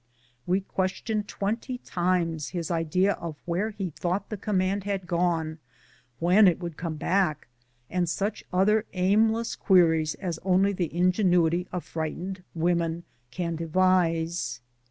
We questioned twenty times his idea as to where he thought the command had gone, when it would come back, and such other aimless queries as only the ingenuity of frightened women can devise.